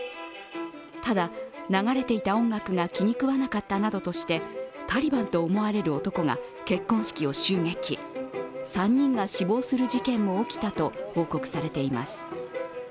ただ、流れていた音楽が気にくわなかったなどとしてタリバンと思われる男が結婚式を襲撃、３人が死亡する事件も起きたと報告されています。